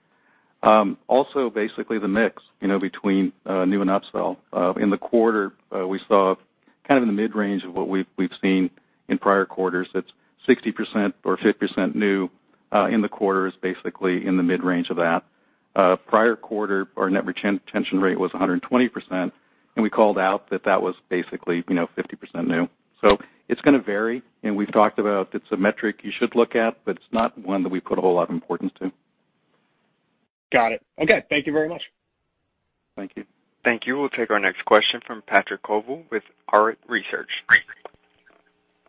Also, basically the mix between new and upsell. In the quarter, we saw kind of in the mid-range of what we've seen in prior quarters. That's 60% or 50% new in the quarter is basically in the mid-range of that. Prior quarter, our net retention rate was 120%, and we called out that that was basically 50% new. It's going to vary, and we've talked about it's a metric you should look at, but it's not one that we put a whole lot of importance to. Got it. Okay. Thank you very much. Thank you. Thank you. We'll take our next question from Patrick Colville with Arete Research.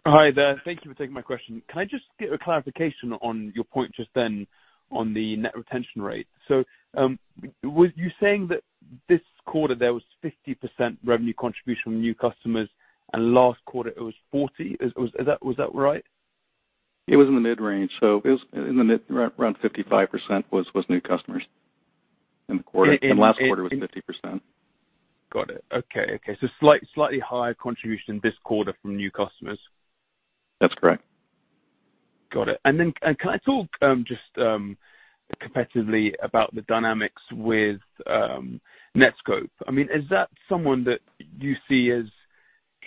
Hi there. Thank you for taking my question. Can I just get a clarification on your point just then on the net retention rate? Was you saying that this quarter there was 50% revenue contribution from new customers and last quarter it was 40? Was that right? It was in the mid-range, around 55% was new customers in the quarter. Last quarter was 50%. Got it. Okay. slightly higher contribution this quarter from new customers. That's correct. Got it. Then, can I talk just competitively about the dynamics with Netskope? I mean, is that someone that you see as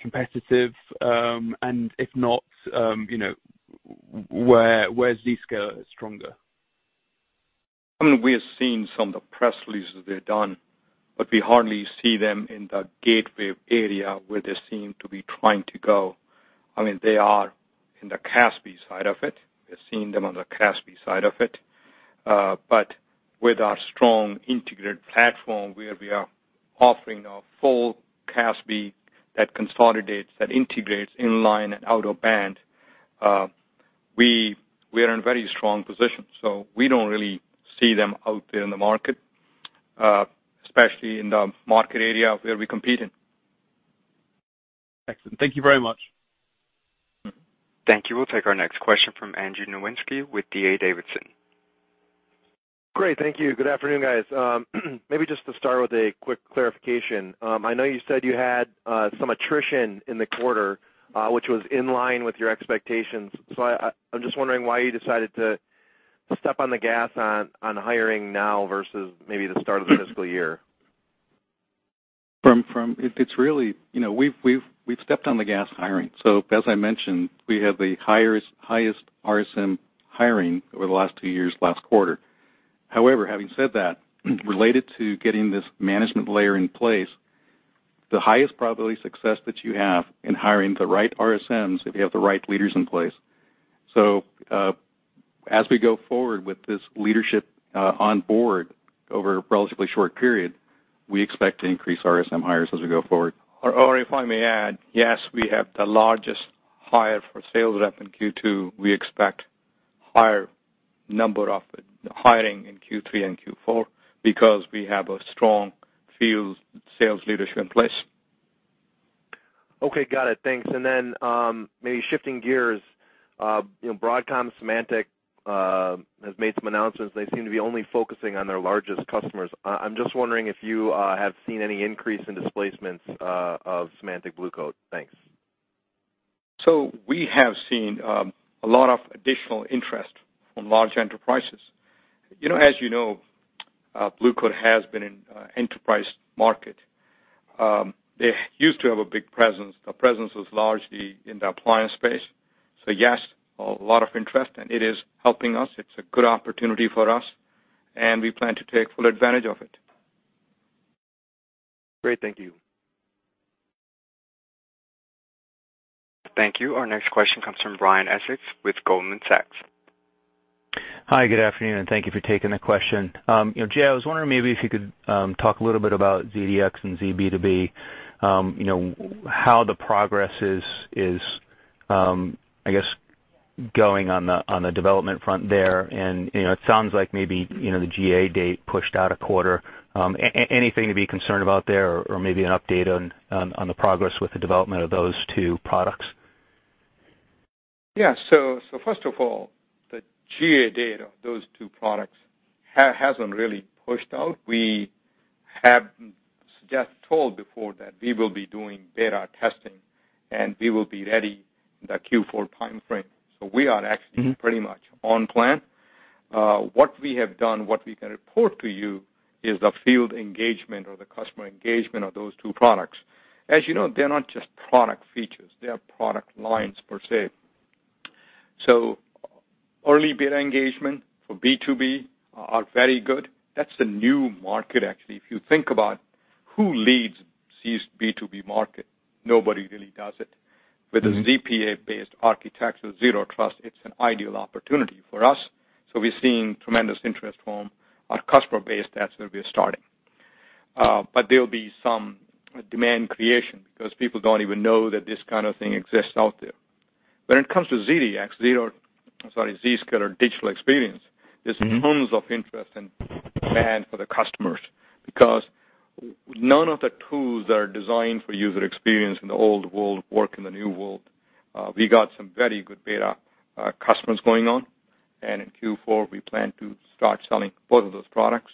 competitive? If not, where's Zscaler stronger? I mean, we have seen some of the press releases they've done. We hardly see them in the gateway area where they seem to be trying to go. I mean, they are in the CASB side of it. We're seeing them on the CASB side of it. With our strong integrated platform, where we are offering a full CASB that consolidates, that integrates in-line and out-of-band, we are in very strong position. We don't really see them out there in the market, especially in the market area where we compete in. Excellent. Thank you very much. Thank you. We'll take our next question from Andrew Nowinski with D.A. Davidson. Great, thank you. Good afternoon, guys. Maybe just to start with a quick clarification. I know you said you had some attrition in the quarter, which was in line with your expectations. I'm just wondering why you decided to step on the gas on hiring now versus maybe the start of the fiscal year. It's really, we've stepped on the gas hiring. As I mentioned, we have the highest RSM hiring over the last two years last quarter. However, having said that, related to getting this management layer in place, the highest probability success that you have in hiring the right RSMs, if you have the right leaders in place. As we go forward with this leadership on board over a relatively short period, we expect to increase RSM hires as we go forward. If I may add, yes, we have the largest hire for sales rep in Q2. We expect higher number of hiring in Q3 and Q4 because we have a strong field sales leadership in place. Okay, got it. Thanks. Maybe shifting gears, Broadcom, Symantec has made some announcements. They seem to be only focusing on their largest customers. I'm just wondering if you have seen any increase in displacements of Symantec Blue Coat. Thanks. We have seen a lot of additional interest from large enterprises. As you know, Blue Coat has been in enterprise market. They used to have a big presence. The presence was largely in the appliance space. Yes, a lot of interest, and it is helping us. It's a good opportunity for us, and we plan to take full advantage of it. Great. Thank you. Thank you. Our next question comes from Brian Essex with Goldman Sachs. Hi, good afternoon, and thank you for taking the question. Jay, I was wondering maybe if you could talk a little bit about ZDX and ZB2B, how the progress is, I guess, going on the development front there, and it sounds like maybe the GA date pushed out a quarter. Anything to be concerned about there, or maybe an update on the progress with the development of those two products? First of all, the GA date of those two products hasn't really pushed out. We have just told before that we will be doing beta testing, and we will be ready in the Q4 timeframe. We are actually pretty much on plan. What we have done, what we can report to you is the field engagement or the customer engagement of those two products. As you know, they're not just product features, they are product lines per se. Early beta engagement for B2B are very good. That's the new market, actually. If you think about who leads this B2B market, nobody really does it. With a ZPA-based architecture, Zero Trust, it's an ideal opportunity for us. We're seeing tremendous interest from our customer base. That's where we are starting. There'll be some demand creation because people don't even know that this kind of thing exists out there. When it comes to ZDX, Zscaler Digital Experience, there's tons of interest and demand for the customers because none of the tools that are designed for user experience in the old world work in the new world. We got some very good beta customers going on, and in Q4, we plan to start selling both of those products.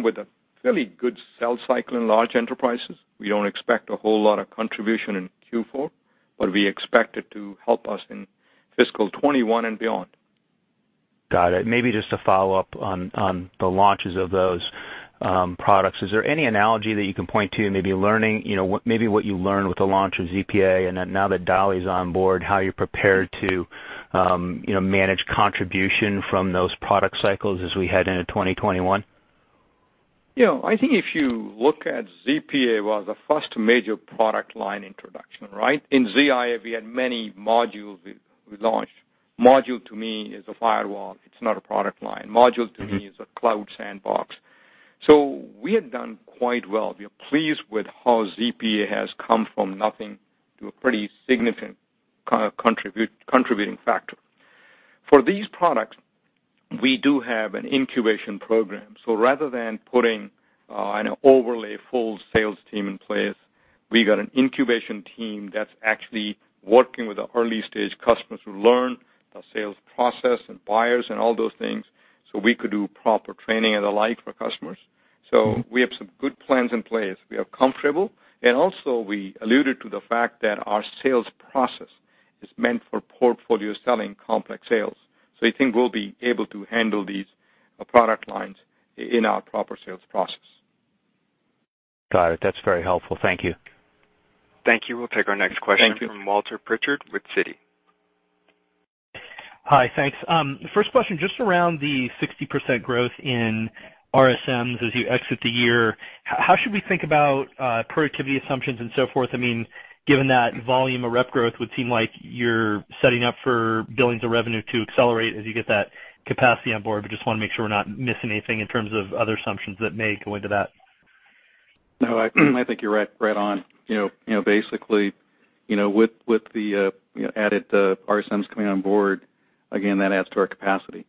With a fairly good sales cycle in large enterprises, we don't expect a whole lot of contribution in Q4, but we expect it to help us in fiscal 2021 and beyond. Got it. Maybe just to follow up on the launches of those products, is there any analogy that you can point to, maybe what you learned with the launch of ZPA, and then now that Dali's on board, how you're prepared to manage contribution from those product cycles as we head into 2021? I think if you look at ZPA, was the first major product line introduction, right? In ZIA, we had many modules we launched. Module to me is a firewall. It's not a product line. Module to me is a cloud sandbox. We have done quite well. We are pleased with how ZPA has come from nothing to a pretty significant contributing factor. For these products, we do have an incubation program. Rather than putting an overly full sales team in place, we got an incubation team that's actually working with the early-stage customers who learn the sales process and buyers and all those things, so we could do proper training and the like for customers. We have some good plans in place. We are comfortable. Also, we alluded to the fact that our sales process is meant for portfolio selling complex sales. I think we'll be able to handle these product lines in our proper sales process. Got it. That's very helpful. Thank you. Thank you. We'll take our next question. Thank you. from Walter Pritchard with Citi. Hi. Thanks. First question, just around the 60% growth in RSMs as you exit the year, how should we think about productivity assumptions and so forth? Given that volume of rep growth, would seem like you're setting up for billions of revenue to accelerate as you get that capacity on board. Just want to make sure we're not missing anything in terms of other assumptions that may go into that. No, I think you're right on. Basically, with the added RSMs coming on board, again, that adds to our capacity.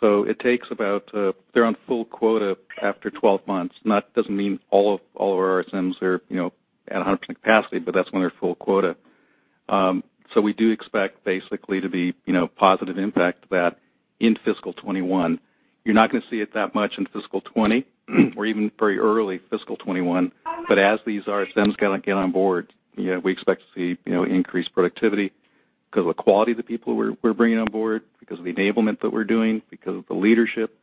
It takes about, they're on full quota after 12 months. That doesn't mean all of our RSMs are at 100% capacity, but that's when they're full quota. We do expect basically to be positive impact to that in fiscal 2021. You're not gonna see it that much in fiscal 2020 or even very early fiscal 2021, but as these RSMs get on board, yeah, we expect to see increased productivity because of the quality of the people we're bringing on board, because of the enablement that we're doing, because of the leadership,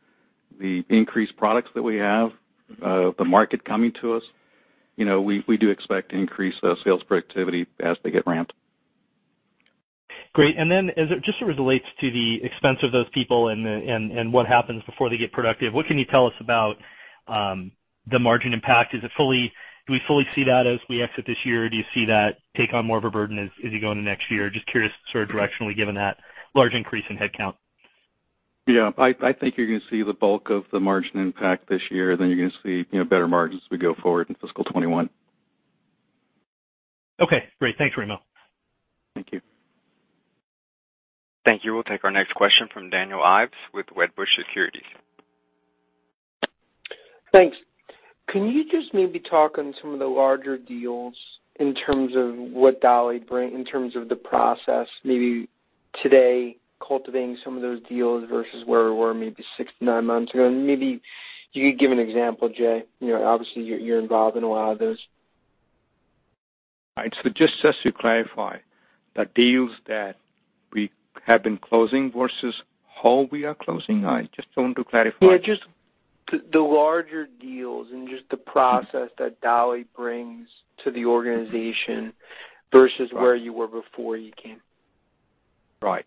the increased products that we have. The market coming to us. We do expect increased sales productivity as they get ramped. Great. As it just relates to the expense of those people and what happens before they get productive, what can you tell us about the margin impact? Do we fully see that as we exit this year, or do you see that take on more of a burden as you go into next year? Just curious sort of directionally, given that large increase in headcount. Yeah. I think you're gonna see the bulk of the margin impact this year, then you're gonna see better margins as we go forward in fiscal 2021. Okay, great. Thanks, Remo. Thank you. Thank you. We'll take our next question from Daniel Ives with Wedbush Securities. Thanks. Can you just maybe talk on some of the larger deals in terms of what Dali bring, in terms of the process, maybe today, cultivating some of those deals versus where we were maybe six to nine months ago? Maybe you could give an example, Jay. Obviously, you're involved in a lot of those. Right. Just to clarify, the deals that we have been closing versus how we are closing? I just want to clarify. Yeah, just the larger deals and just the process that Dali brings to the organization versus where you were before he came. Right.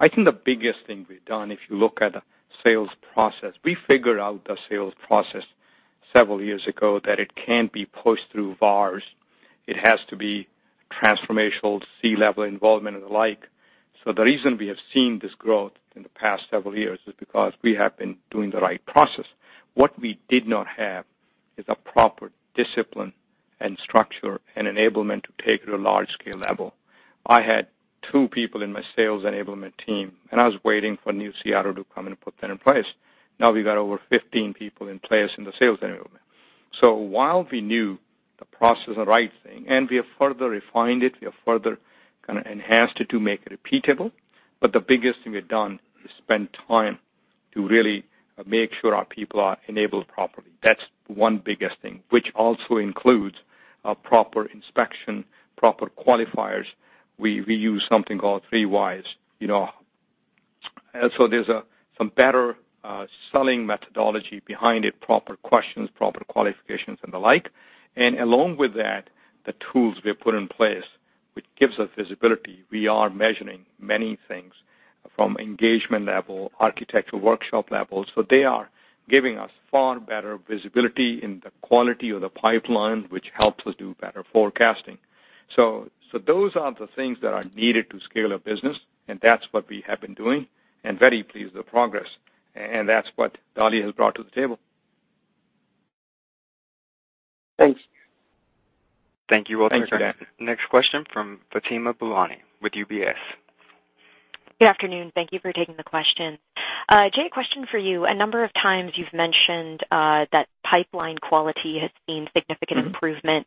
I think the biggest thing we've done, if you look at the sales process, we figured out the sales process several years ago, that it can't be pushed through VARs. It has to be transformational, C-level involvement and the like. The reason we have seen this growth in the past several years is because we have been doing the right process. What we did not have is a proper discipline and structure and enablement to take it to large-scale level. I had two people in my sales enablement team, and I was waiting for new CRO to come in and put that in place. Now we've got over 15 people in place in the sales enablement. While we knew the process is the right thing, and we have further refined it, we have further enhanced it to make it repeatable, but the biggest thing we've done is spend time to really make sure our people are enabled properly. That's one biggest thing, which also includes proper inspection, proper qualifiers. We use something called 3 Whys. There's some better selling methodology behind it, proper questions, proper qualifications, and the like. Along with that, the tools we have put in place, which gives us visibility. We are measuring many things from engagement level, architectural workshop levels. They are giving us far better visibility in the quality of the pipeline, which helps us do better forecasting. Those are the things that are needed to scale a business, and that's what we have been doing, and very pleased with the progress. That's what Dali has brought to the table. Thanks. Thank you. We'll take our next- Thank you. Next question from Fatima Boolani with UBS. Good afternoon. Thank you for taking the question. Jay, a question for you. A number of times you've mentioned that pipeline quality has seen significant improvement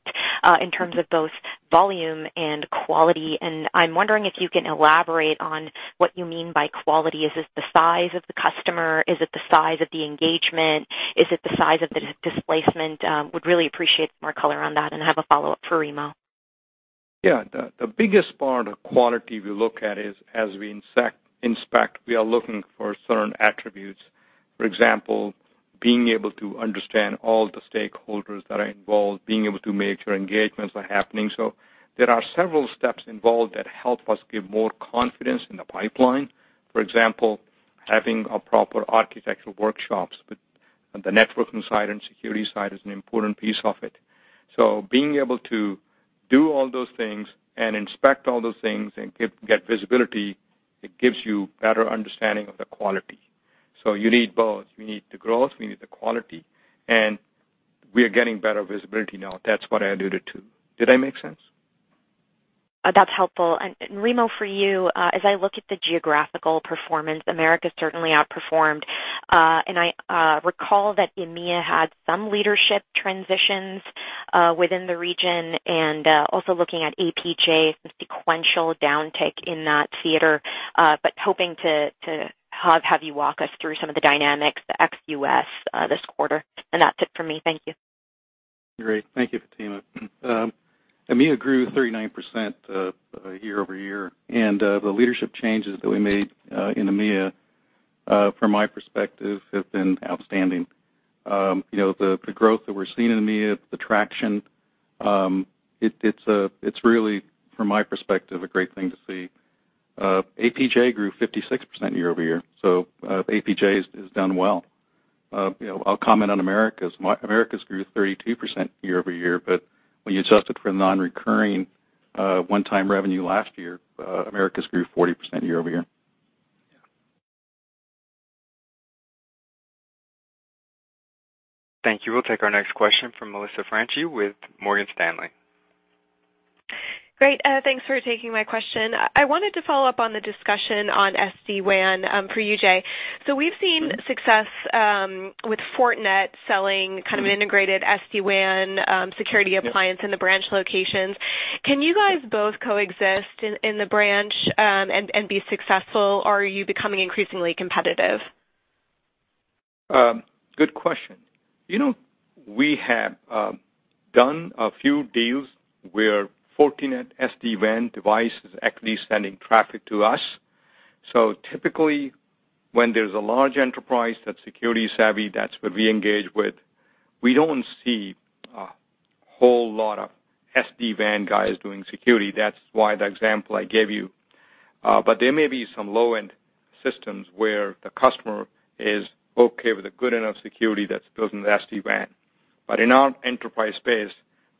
in terms of both volume and quality. I'm wondering if you can elaborate on what you mean by quality. Is it the size of the customer? Is it the size of the engagement? Is it the size of the displacement? Would really appreciate some more color on that, and have a follow-up for Remo. Yeah. The biggest part of quality we look at is as we inspect, we are looking for certain attributes. For example, being able to understand all the stakeholders that are involved, being able to make sure engagements are happening. There are several steps involved that help us give more confidence in the pipeline. For example, having proper architectural workshops with the networking side and security side is an important piece of it. Being able to do all those things and inspect all those things and get visibility, it gives you better understanding of the quality. You need both. We need the growth, we need the quality, and we are getting better visibility now. That's what I alluded to. Did I make sense? That's helpful. Remo, for you, as I look at the geographical performance, America certainly outperformed. I recall that EMEA had some leadership transitions within the region, and also looking at APJ, some sequential downtick in that theater. Hoping to have you walk us through some of the dynamics, the ex-U.S. this quarter. That's it for me. Thank you. Great. Thank you, Fatima. EMEA grew 39% year-over-year. The leadership changes that we made in EMEA, from my perspective, have been outstanding. The growth that we're seeing in EMEA, the traction, it's really, from my perspective, a great thing to see. APJ grew 56% year-over-year. APJ has done well. I'll comment on Americas. Americas grew 32% year-over-year. When you adjust it for the non-recurring one-time revenue last year, Americas grew 40% year-over-year. Thank you. We'll take our next question from Melissa Franchi with Morgan Stanley. Great. Thanks for taking my question. I wanted to follow up on the discussion on SD-WAN for you, Jay. We've seen success with Fortinet selling kind of integrated SD-WAN security appliance in the branch locations. Can you guys both coexist in the branch and be successful, or are you becoming increasingly competitive? Good question. We have done a few deals where Fortinet SD-WAN device is actually sending traffic to us. Typically, when there's a large enterprise that's security savvy, that's what we engage with. We don't see a whole lot of SD-WAN guys doing security. That's why the example I gave you. There may be some low-end systems where the customer is okay with a good enough security that's built in the SD-WAN. In our enterprise space,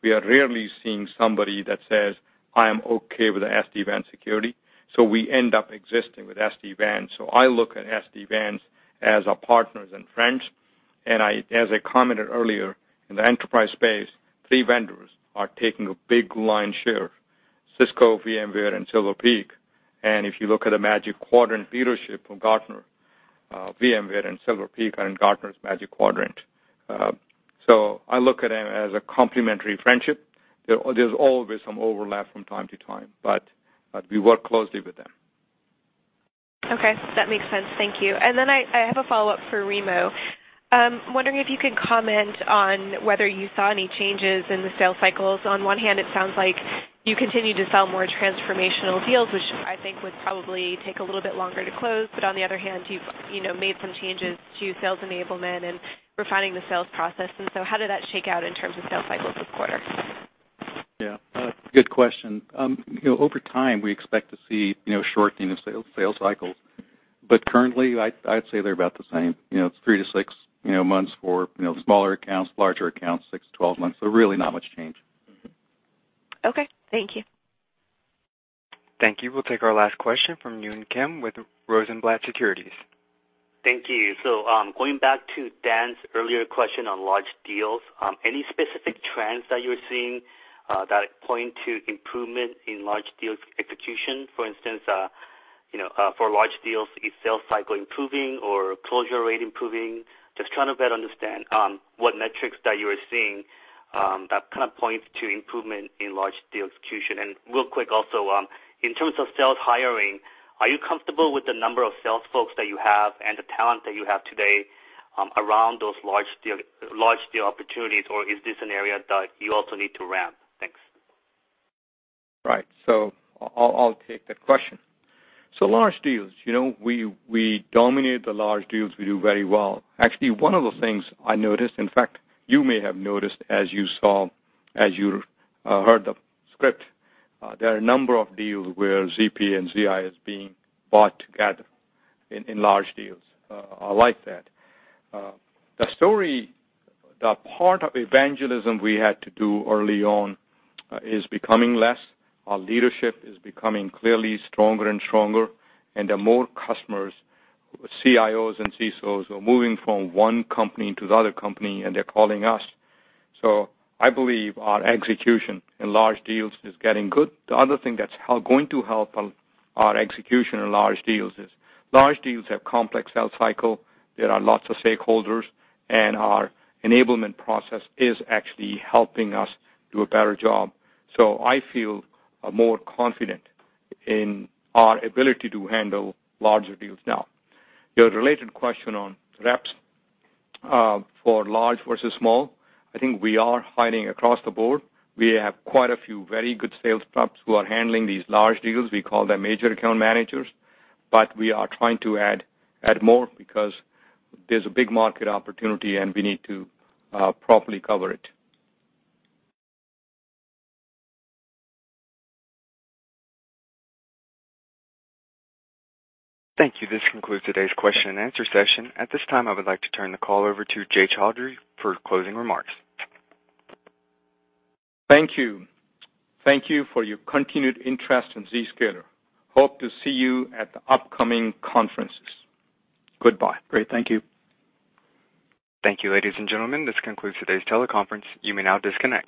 we are rarely seeing somebody that says, "I am okay with the SD-WAN security." We end up existing with SD-WAN. I look at SD-WANs as our partners and friends. As I commented earlier, in the enterprise space, three vendors are taking a big lion share, Cisco, VMware, and Silver Peak. If you look at the Magic Quadrant leadership from Gartner, VMware and Silver Peak are in Gartner's Magic Quadrant. I look at them as a complementary friendship. There's always some overlap from time to time, but we work closely with them. Okay. That makes sense. Thank you. I have a follow-up for Remo. I'm wondering if you could comment on whether you saw any changes in the sales cycles. On one hand, it sounds like you continue to sell more transformational deals, which I think would probably take a little bit longer to close. On the other hand, you've made some changes to sales enablement and refining the sales process. How did that shake out in terms of sales cycles this quarter? Yeah. Good question. Over time, we expect to see shortening of sales cycles. Currently, I'd say they're about the same. It's three to six months for smaller accounts, larger accounts, six to 12 months. Really not much change. Okay. Thank you. Thank you. We'll take our last question from Yun Kim with Rosenblatt Securities. Thank you. Going back to Dan's earlier question on large deals, any specific trends that you're seeing that point to improvement in large deals execution? For instance, for large deals, is sales cycle improving or closure rate improving? Just trying to better understand what metrics that you are seeing that kind of points to improvement in large deal execution. Real quick also, in terms of sales hiring, are you comfortable with the number of sales folks that you have and the talent that you have today around those large deal opportunities, or is this an area that you also need to ramp? Thanks. Right. I'll take that question. Large deals. We dominate the large deals. We do very well. Actually, one of the things I noticed, in fact, you may have noticed as you heard the script, there are a number of deals where ZP and ZIA is being bought together in large deals. I like that. The story, the part of evangelism we had to do early on is becoming less. Our leadership is becoming clearly stronger and stronger, and there are more customers, CIOs and CSOs, who are moving from one company to the other company, and they're calling us. I believe our execution in large deals is getting good. The other thing that's going to help our execution in large deals is large deals have complex sales cycle. There are lots of stakeholders, and our enablement process is actually helping us do a better job. I feel more confident in our ability to handle larger deals now. Your related question on reps for large versus small, I think we are hiring across the board. We have quite a few very good sales reps who are handling these large deals. We call them major account managers. We are trying to add more because there's a big market opportunity, and we need to properly cover it. Thank you. This concludes today's question and answer session. At this time, I would like to turn the call over to Jay Chaudhry for closing remarks. Thank you. Thank you for your continued interest in Zscaler. Hope to see you at the upcoming conferences. Goodbye. Great. Thank you. Thank you, ladies and gentlemen. This concludes today's teleconference. You may now disconnect.